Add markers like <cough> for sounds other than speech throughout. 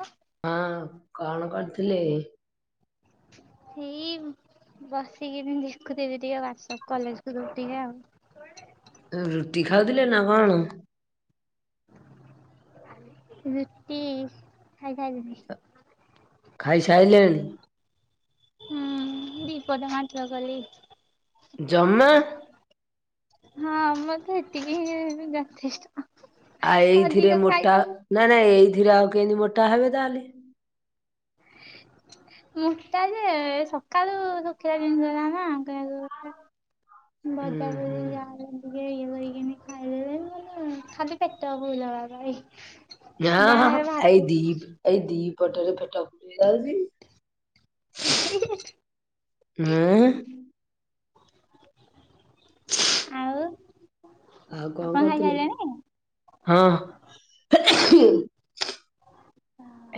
ହୁଁ ହଁ କଲ କରିଥିଲି ହେଇ ବସିକିନି ଦେଖୁଥୁଲି ଟିକେ ହ୍ୱାଟସପ୍ କଲେଜ ଗ୍ରୁପ ଟିକେ ଆଉ। ରୁଟି ଖାଉଥୁଲେ ନା କଣ? ରୁଟି ଖାଇଖୁଆ ଦେଲି। ଖାଇ ସାଇଲେଣି? ଉଁ ଦିପଟେ ମାତ୍ର କଲି। ଜମା ହଁ ମତେ ଏତିକି ହିଁ ଯଥେଷ୍ଟ। ଆ ଏଇଥିରେ ଅଧିକ ମୋଟା ଖାଇପାରେ ନାଇଁ ନାଇଁ ଏଇଥିରେ ଆଉ କେମତି ମୋଟା ହେବେ ତାହେଲେ? ମୋଟା ଯେ ଏ ସକାଳୁ ଶୁଖିଲା ଜିନଷରା ନା କହିବାକୁ ଗଲେ ହୁଁ ହୁଁ ଭଜାଭଜି ଯାହା ହେଲେ <unintelligible> ଖାଇଦେଲି <unintelligible> ଖାଲି ପେଟା ପୁରିଲା ଭଳିଆ ଖାଇ ନା ହଁ ହଁ ଏଇ ଦିଇ ପ ଏଇ ଦିଇ ପଟରେ ପେଟ ପୁରିଯାଉଚି। ଉଁ ହୁଁ ହୁଁ। ନା ଆଉ? ଆଉ କଣ ଆପଣ କରୁଥୁଲେ ଖାଇସାରିଲେଣି? ହଁ।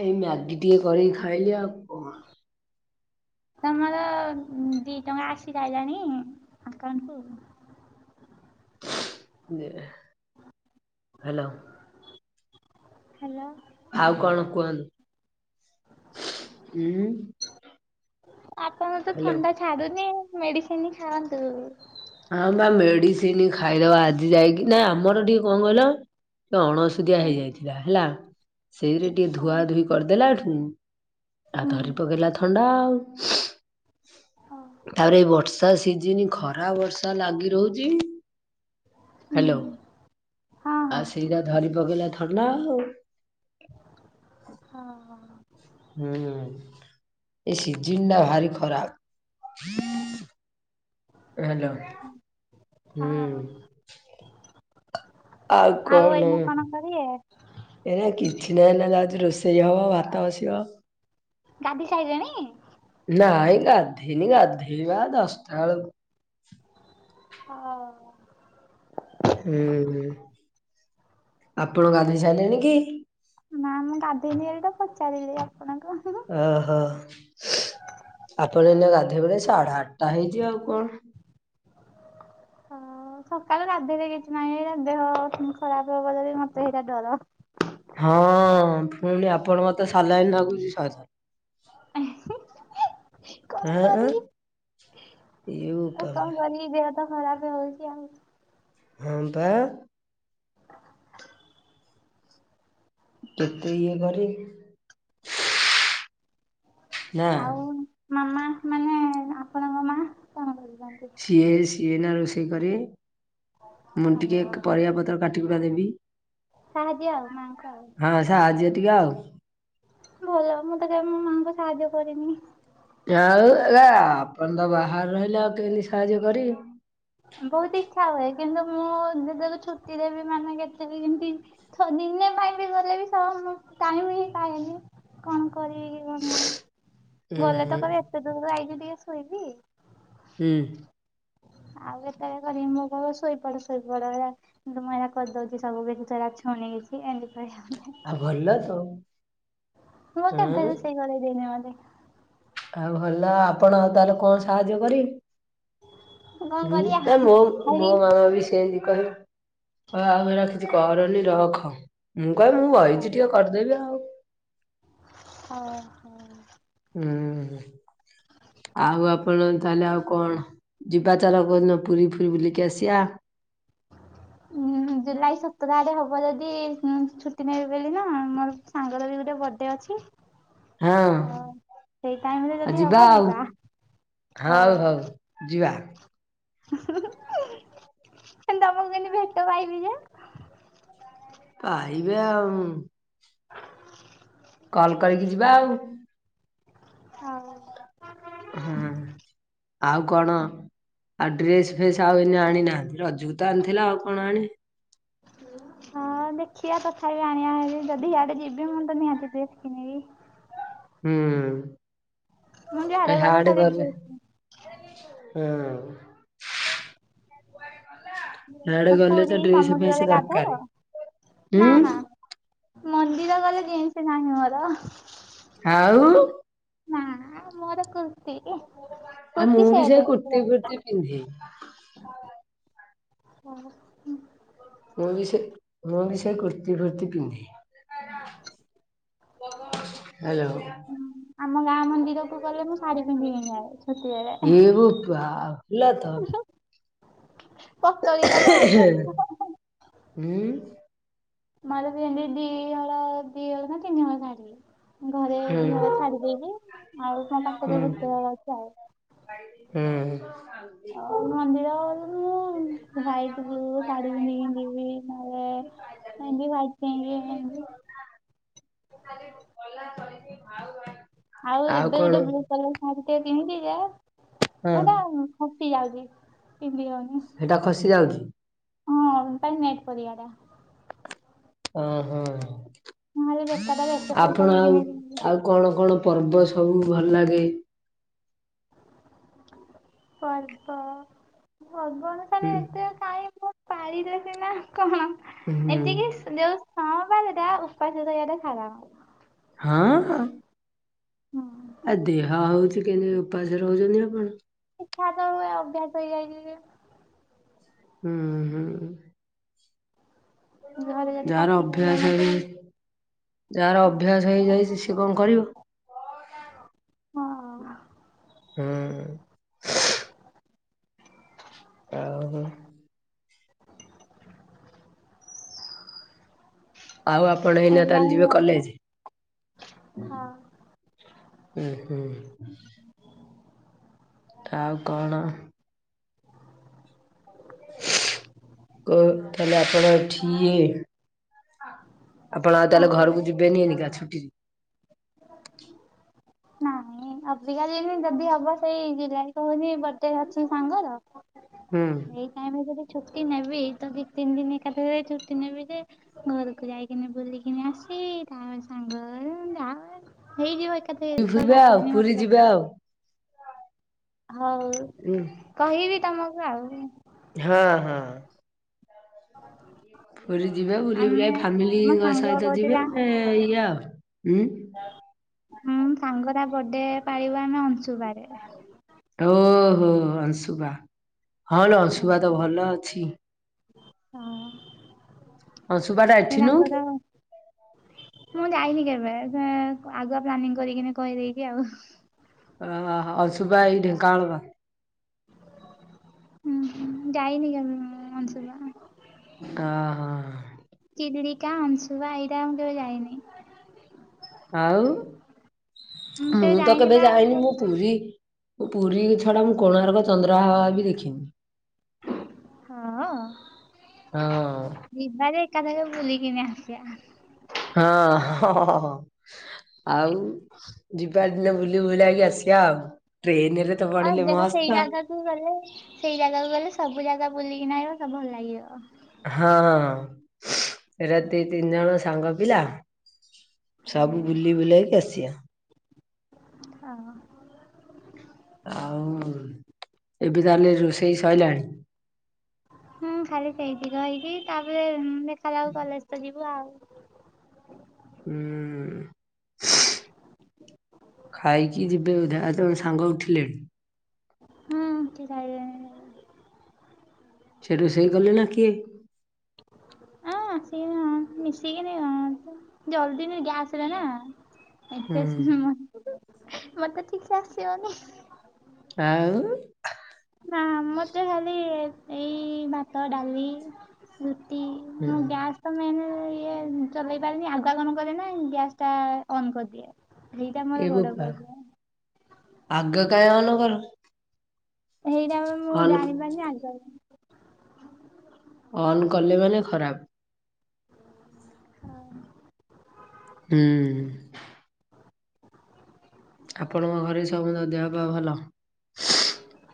ଏଇ ମ୍ୟାଗି ଟିକେ କରିକି ଖାଇଲି ଆଉ କଣ। ତମର ଦିଇ ଟଙ୍କା ଆସି ସାଇଲାଣି ଆକାଉଣ୍ଟକୁ? ହାଲୋ। ହାଲୋ। ଆଉ କଣ କୁହନ୍ତୁ ଉଁ? ଆପଣୁ ତ ହ୍ୟାଲୋ ଥଣ୍ଡା ଛାଡୁନି ମେଡିସିନ ଖାଆନ୍ତୁ। ହଁ ପା ମେଡିସିନି ଖାଇଦବା ଆଜି ଯାଇକିନା ଆମର ଟିକେ କଣ କହିଲ ଏ ଅଣସୁଦିଆ କଣ ହେଇଯାଇଥିଲା ହେଲା ସେଇରେ ଟିକେ ହୁଁ ଧୁଆଧୁଇ କରିଦେଲାଠୁ ଆଉ ଧରି ପକେଇଲା ଥ ଥଣ୍ଡା ଆଉ ହଉ ତାପରେ ଏଇ ବର୍ଷା ସିଜନି ଖରା ବର୍ ର୍ଷା ଲାଗି ରହୁଚି। ହୁଁ ହାଲୋ ହଁ ହଁ ଆଉ ସେଇଟା ଧରି ପକେଇଲା ଥଣ୍ଡା ଆଉ। ହଁ। ହୁଁ ଏ ସିଜିନଟା ଭାରି ଖରାପ। ହୁଁ ହାଲୋ। ହଁ ହୁଁ। ଆଉ ଏଇନା କଣ କରିବ? ଏଇନା କିଛି ନାହିଁ ଏନାକେ ଆଜି ରୋଷେଇ ହବ ଭାତ ବସିବ। ଗାଧେଇ ସାଇଲେଣି? ନାଇଁ ଗାଧେଇନି ଗାଧେଇବା ଦଶଟା ବେଳକୁ। ହଁ। ହୁଁ ହୁଁ ଆପଣ ଗାଧୋଇ ସାଇଲେଣି କି? ନା ମୁଁ ଗାଧେଇନି ବୋଲିତ ପଚାରିଲେ ଆପଣଙ୍କୁ ହୁଁ ହୁଁ। ଓହୋ ଆପଣ ଏଇନା ଗାଧେଇବେ ନା ସାଢେ ଆଠଟା ହେଇଚି ଆଉ କଣ? ଓ ସକାଳୁ ଗାଧେଇଲେ କିଛି ନାହିଁ ଏରା ଦେହ ଫୁଣି ଖରାପ ହବ ଯଦି ମତେ ସେଇଟା ଡର। ହଁ ଫୁଣି ଆପଣଙ୍କର ତ ସାଲାଇନ୍ ଲାଗୁଚି ଶହେ ଥର। କଣ ଆଁ ଆଁ କରିବି ଏଇ ଯୋଉ ଆଉ କଣ କରିବି ଦେହ ତ ଖରାପ ହୋଉଚି ଆଉ। ହଁପା। କେତେ ଇଏ କରି ନା? ଆଉ ମାମା? ମାନେ ଆପଣଙ୍କ ମା କଣ କରୁଛନ୍ତି? ସିଏ ସିଏ ଏନା ରୋଷେଇ କରିଏ। ମୁଁ ଆଉ ଟିକେ କ୍ ପରିବାପତ୍ର କାଟିକୁଟା ଦେବି। ସାହାଯ୍ୟ ଆଉ ମାଆଙ୍କୁ ଆଉ। ହଁ ସାହାଯ୍ୟ ଟିକେ ଆଉ। ଭଲ ମୁଁ ତ କେବେ ମୋ ମାଆଙ୍କୁ ସାହାଯ୍ୟ କରିନି। ଆଉ ଆ ଆପଣ ତ ବାହାରେ ରହିଲେ ଆଉ କେମିତି ସାହାଯ୍ୟ କରିବି। ବହୁତ ଇଚ୍ଛା ହୁଏ, କିନ୍ତୁ ମୁଁ ଯେତେବେଲେ ଛୁଟିରେ ବି ମାନେ କେତେ ବି କେମତି ଦିନେ ପାଇଁ ବି ଗଲେ ବି ଟାଇମ ହିଁ ପାଏନି କଣ କରିବି? ଉୁଁ ଗଲେ ହୁଁ ତ କହେ ଏତେ ଦୂରରୁ ଆଇଛ ଟିକେ ଶୋଇବି। ହୁଁ। ଆଉ ଏତେବେଳେ କରିବି ମୋ ବୋଉ କହେ ଶୋଇପଡ ଶୋଇପଡ ହେଲା। କିନ୍ତୁ ମୁଁ ଏ କରିଦଉଛି ସବୁ କିଛି ଛୁନି କିଛି ଏମିତି କହିବ। ଆଉ ଭଲ ତ। ମୁଁ କେବେ ଆଁ ରୋଷେଇ କରେଇ ଦେଇନି ମତେ। ଆଉ ଭଲ ଆପଣ ଆଉ ତାହେଲେ କଣ ସାହାଯ୍ୟ କରିବେ? କଣ ହୁଁ କରିବା ତ ମ ମୋ ଖାଲି ମାମା ବି ସେମିତି କରେ। ହ ଆଉ ଏରା କିଛି କରନି ରଖ ମୁଁ କହିବି ମୁଁ କହିଛି ଟିକେ କରିଦେବି ଆଉ। ଓ ହୋ। ହୁଁ ଆଉ ଆପଣ ତାହଲେ ଆଉ କଣ? ଯିବା ଚାଲ କୋଉ ଦିନପୁରୀ ଫୁରି ବୁଲିକି ଆସିବା। ଉ ଜୁଲାଇ ସତର ତାରେ ହବ ଯଦି ଛୁଟି ନେବେ ବୋଲି ନା ମର ସାଙ୍ଗର ବି ଗୋଟେ ବର୍ଥଡେ ଅଛି। ହଁ ତ ଆଉ ସେଇ ଟାଇମ ରେ ଯଦି ହବ ଯିବା। ହଉ ହଉ ହଁ ଯିବା। ତମକୁ କେମିତି ଭେଟ ପାଇବି ଯେ। ପାଇବେ ଆଉ। <inaudible> କଲ୍ କରିକି ଯିବା ଆଉ। ହଉ। ହଁ ଆଉ କଣ? ଆଉ ଡ୍ରେସ ଫ୍ରେସ ଆଉ ଏଇନା ଆଣିନା ରଜକୁତ ଆଣିଥିଲେ ଆଉ କଣ ଆଣିବେ। ହଁ ଦେଖିବା ତଥାପି ଆଣିବା ହେରି ହେବ ଯଦି ଇଆଡେ ଯିବି ମୁ ତ ନିହାଛି ଡ୍ରେସ କିଣିବି। ମୁଁ ହୁଁ ଯୁଆଡେ ହାଡେ ଖାଲି ଗଲେ। ଡ୍ରେସ ହୁଁ। ହାଡେ <inaudible> ଗଲେ ତ ପୁରୀ ଡ୍ରେସ ଫେସ୍ ସମୁଦ୍ରରେ ଦରକାର। ଗାଧାଅ ନା ହୁଁ ନା। ମନ୍ଦିର ଗଲେ ଜିନ୍ସ ନାହିଁ ମୋର। ଆଉ। ନା ମୋର କୁର୍ତିୀ ଆଉ କୁର୍ତ୍ତିୀ ମୁଁ ବି ସେ ସେଟ୍ କୁର୍ତ୍ତି ପୁରା। ଫୁର୍ତ୍ତି ପିନ୍ଧେ ହଁ ହୁଁ। ମୁଁ ବି ସେ ମୁଁ ବି ସୋ କୁର୍ତି ଫୁର୍ତି ପିନ୍ଧେ। ହ୍ୟାଲୋ। ହୁଁ ଆମ ଗାଁ ମନ୍ଦିରକୁ ଗଲେ ମୁଁ ଶାଢୀ ପିନ୍ଧିକି ଯାଏ। ଛୋଟିବେଳେ ଏ ବୋପା ହେଲା ତ। ପତଳୀ ଟା ନା ହୁ ହା ହା। ହୁଁ। ମୋର ସେଂନ୍ତି ଦି ହଳ ନା ତିନି ହଳ ଶାଢ଼ୀ। ଘରେ ହୁଁ। ଦି ହଳ ଛାଡ଼ି ଦେଇଚି ଆଉ ମୋ ପାଖରେ ଗୋଟେ ହଳ ଅଛି ଆଉ। ହୁଁ। ଆଉ ମନ୍ଦିର। ଉଁ ହ୍ୱାଇଟି ବ୍ଲୁ ଶାଢୀ ପିନ୍ଧିକି ଯିବି ନହଲେ <unintelligible> <unintelligible> ଆଉ ଏବେ ଗୋଟେ ବ୍ଲୁ କଲର ଶାଢ଼ୀଟେ କିଣିିଚି ଯେ ହଁ ହେ ଇଟା ଉଁ ଖସି ଯାଉଚି ପିନ୍ଧିହଉନି। ହେଟା ଖସିଯାଉଚି। ହଁ ପାଇଁ ନେଟ୍ ପରିଆଟା। ଓ ହଁ ନହେଲେ ହଁ ବେକାରଟାରେ ଏତେ ପଇସା ଆପଣ ଦେଇକିନି ଆଉ କିଣିଲି ଆଉ କଣ କଣ ପର୍ବ ସବୁ ଭଲ୍ ଲାଗେ? ପର୍ବ ପର୍ବଣ ହୁଁ ହୁଁ। କାଇଁ ମୁ ପରିଦେ ପିନ୍ଧନ୍ତି ସେ କଣ ହୁଁ ଏତିକି ଯେଉ ସଅଁବାରଟା ଉପାସ ରହିବା ଟା ସାର ହଁ ହଁ। ହୁଁ। ଆଉ ଦେହ ହଉଚି କେମିତି ଉପାସ ରହୁଚନ୍ତି ଆପଣ। ଶିକ୍ଷା ତ ହୁଏ ଅଭ୍ୟାସ ହେଇଯାଇଛି ଯେ। ଉଁ ହୁଁ। ଘରେ ଯଦି ଯାହାର ପାଟି କରିବେ ଅଭ୍ୟାସ ମତେ ହେଇ ଯାଇଚି କୁହ ଅଭ୍ୟାସ ହେଇଯାଇଛି ସିଏ କଣ କରିବ। ହଁ। ହୁଁ। ଆଉ ଆଉ ଆପଣ ଏଇନା ତାହେଲେ ଏଇଲାହିଁ ଯିବେ ହଁ କଲେଜ୍? ଉ ହୁଁ। ଆଉ କଅଣ। କୋଉ ଠି ଆପଣ ଠିଏ ଆପଣ ଆଉ କଣ ତାହେଲେ ଘରକୁ କହିଲ ଯିବେନି ଏନିକା ଛୁଟି ନାଇଁ <inaudible> ଅବିକା ଯିନି ଯଦି ହବ ସେଇ ଜୁଲାଇ କହୁନି ବର୍ଥଡେ ଅଛି ସାଙ୍ଗର। ହୁଁ। ସେଇ ଟାଇମ ଯଦି ଛୁଟି ନେବି ତ ଦି ତିନି ଦିନି ଏକାଥରେ ଛୁଟି ନେବି ଯେ ଘରକୁ ଯାଇକିନି ବୁଲିକିନି ଆସିଇ ତା ସାଙ୍ଗ <unintelligible> ହେଇଯିବ ଏକାଥଏ ହୁଁ ଛଅ ଯିବା ସାତ ଆଉ ଦିନ ପୁରୀ ମତେ ଲାଗ୍ ଯିବା ଆଉ ହଉ। ଉଁ। କହିବି ତମକୁ ଆଉ। ହଁ ହଁ। ହଁ ପୁରୀ ଯିବା ବୁଲି ବୁଲା ମୋ ଫାମିଲିଙ୍କ ସାଙ୍ଗ ସହିତ ଯିବେ କହୁଥିଲା ଏଇଆ ଆଉ ଉଁ ହୁଁ ସାଙ୍ଗର ବର୍ଥଡେ ପାଳିବ ଆମେ ଅଂଶୁବାରେ। ଓହୋ ଅଂଶୁବା ହଁ ଅଂଶୁବା ତ ଭଲ ଅଛି। ହଁ ଅଂଶୁପା ଟା ସେ ଏଠି ନୁହଁ କି? ତାଙ୍କର ମୁଁ ଯାଇନି କେବେ ଏବେ ଆଗୁଆ ପ୍ଲାନିଂ କରିକିନି କହିଦେଇଛି ଆଉ। ଅହ ହ ଅଂଶୁବା ଏଇ ଢେଙ୍କାଳ ପା ହୁଁ ହୁଁ ଯାଇନି କେବେ ମୁଁ ଅଂଶୁବା। ଅ ହଁ ହଁ ଚିଲିଡ଼ିକା ଆଂଶୁବା ଏଇଟା ଆଉ କେବେ ମୁଁ ଯାଇନି। ଆଉ ମୁଁ ତ କେବେ ଯାଇନି ମୁଁ ପୁରୀ ପୁରୀ ଛଡ଼ା ମୁଁ କୋଣାର୍କ ଚନ୍ଦ୍ରାଭାଗା ବି ଦେଖିନି। ହଁ ଅ ହଁ। ଯିବାଯେ ଏକାଥରେ ବୁଲିିକିନି ଆସିବା। ହଁ ହ ହହହ ଆଉ ଯିବା ଦିନେ ବୁଲି ବୁଲାକି ଆସିବା ଆଉ। ଟ୍ରେନରେ ତ ପଡିଲେ ମସ୍ତ ଆଉ। କୁ ଗଲେ ସେଇ ଜାଗାକୁ ଗଲେ ସବୁ ଜାଗା ବୁଲି କିନା ଆସିବ ସବୁ ଭଲ ଲାଗିବ। ହଁ ଏରା ଦି ତିନି ଜଣ ସାଙ୍ଗ ପିଲା ସବୁ ବୁଲି ବୁଲାକି ଆସିଅ। ଆଓ। ଆଉ ଏବେ ତାହେଲେ ରୋଷେଇ ସଇଲାଣି? ହୁଁ ଖାଲି ସେଇତିକ ହେଇଛିି ତାପରେ ଦେଖାଯାଉ କଲେଜ୍ ତ ଯିବୁ ଆଉ। ଉଁ। ଖାଇକି ଯିବେ ବୋଧେ ଆଉ ତମ ସାଙ୍ଗ ଉଠିଲେଣି। ହୁଁ ଉଠି ସାଇଲେଣୀ ଏ ସେଠୁ ସେଇ କଲେ ନା କିଏ? <inaudible> ଆଁ ଆସିକିନି ହଁ ମିଶିକିନି ଅ ଜଲଦି ଗ୍ୟାସ୍ ରେ ନାଁ? ହୁଁ ଏତେ ସିଗ୍ର ମତେ ମତେ ଠିକ୍ ସେ ଆସିବନି। ଆଉ? ନାଁ ମତେ ଖାଲି ଏଇ ଭାତ, ଡାଲି ରୁଟି ଉଁ ହୁଁ ଗ୍ୟାସ୍ ତ ମେନ୍ ଇଏ ଚଲେଇ ପାରେନି ଆଗୁଆ କଣ କରେ ନା ଗ୍ୟାସ୍ ଟା ଅନ୍ କରିଦିଏ। ସେଇଟା ମୋର ଏ ବୋ ବଡ ପା ପ୍ରୋବ୍ଲେମ୍ ଆଗୁଆ କାଇଁ ଅନ୍ କର? ସେଇଟା ପା ମୁଁ ଜାଣିପାରୁନି ଆଗୁଆ କ ଅନ୍ କଲେ ମାନେ ଖରାପ୍। ହୁଁ। ଆପଣଙ୍କ ଘରେ ସମସ୍ତଙ୍କ ଦେହ ପା ଭଲ?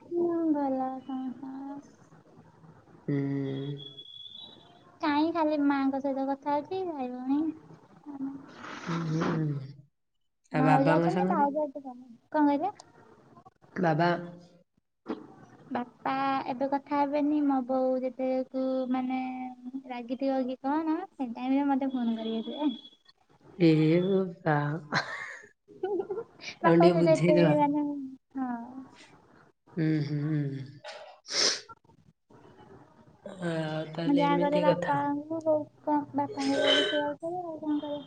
ହୁଁ ଭଲ ସମସ୍ତଙ୍କ ହୁଁ। କାଇଁ ଖାଲି ମାଙ୍କ ସହିତ କଥା ହଉଛି ଭାଇ ଭଉଣୀ ହୁଁ ହଁ ହୁଁ ଆଉ ଭାଉଜ ବାବାଙ୍କ ଅଛନ୍ତି ସାଙ୍ଗରେ ଭାଉଜ ଏତେ ଭଲ ନୁ କଣ କହିଲ? ଦାଦା <inaudible> ବାପା ଏବେ କଥା ହେବେନି ମୋ ବୋଉ ଯେତେକି ମାନେ ରାଗିଥିବ କି କଣ ସେ ଟାଇମ୍ ରେ ମତେ ଫୋନ୍ କରିବେ ସେ ଏ ବୋପା ମା <unintelligible> ବାପା ସେଟା କହିବେ ମାନେ ହଁ ଉଁ ହୁଁ। ଆ। ମୁ ଯାହା କରେ ବାପାଙ୍କୁ ମୁଁ ବୋଉ କ ବାପାଙ୍କୁ ବୋଉକୁ ସେଇଆ କରେ ଆଉ କଣ କରେ।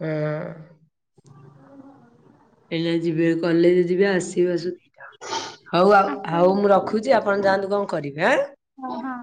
ହୁଁ। ଏଇନା ଯିବେ କଲେଜ୍ ଯିବେ ଆସି ଆସୁ ହଉ ଆଉ ହଉ ଆସିକି ମୁଁ ରଖୁଛି ଆପଣ ଯାଆନ୍ତୁ କଣ କରିବେ ଆଁ? ଓ ହଁ।